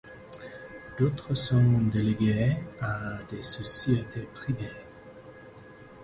D'autres sont délégués à des sociétés privées.